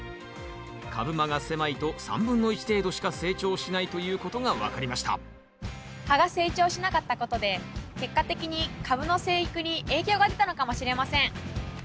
株間が狭いと３分の１程度しか成長しないということが分かりました葉が成長しなかったことで結果的にカブの生育に影響が出たのかもしれません。